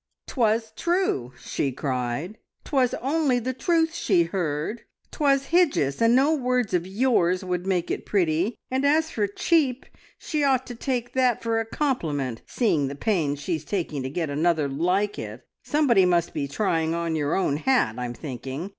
"'Twas true!" she cried. "'Twas only the truth she heard. 'Twas hidjus, and no words of yours would make it pretty. And as for cheap, she ought to take that for a compliment, seeing the pains she's taking to get another like it! Somebody must be trying on your own hat, I'm thinking.